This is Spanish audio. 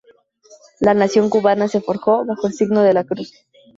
La nación cubana se forjó bajo el signo de la cruz.